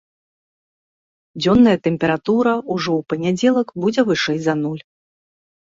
Дзённая тэмпература ўжо ў панядзелак будзе вышэй за нуль.